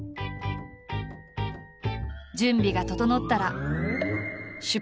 準備が整ったら出発だ。